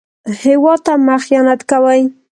هېواد ته مه خيانت کوئ